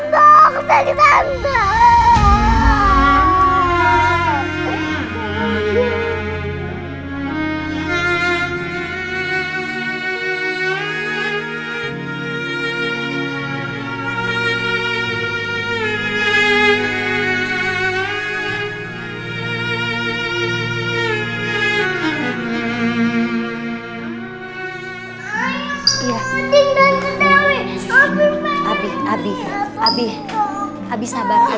jam besoknya sudah habis